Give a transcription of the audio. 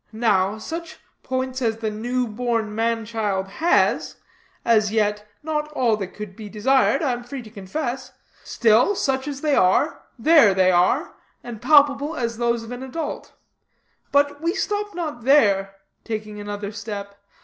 Now, such points as the new born man child has as yet not all that could be desired, I am free to confess still, such as they are, there they are, and palpable as those of an adult. But we stop not here," taking another step.